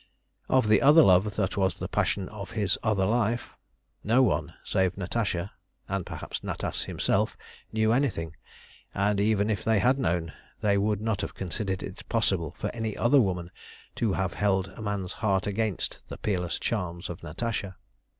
Of the other love that was the passion of his other life, no one save Natasha, and perhaps Natas himself, knew anything; and even if they had known, they would not have considered it possible for any other woman to have held a man's heart against the peerless charms of Natasha.